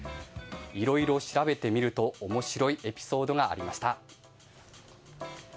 いろいろ調べてみると面白いエピソードがありました。